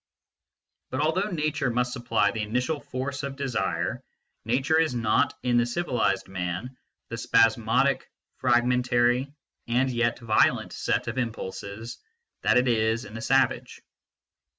But although nature must supply the initial force of desire, nature is not, in the civilised man, the spasmodic, fragmentary, and yet violent set of impulses that it is in the savage.